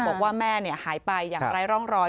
บอกว่าแม่หายไปอย่างไร้ร่องรอย